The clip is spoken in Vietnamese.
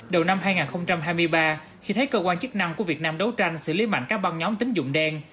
đầu năm hai nghìn hai mươi ba khi thấy cơ quan chức năng của việt nam đấu tranh xử lý mạnh các băng nhóm tính dụng đen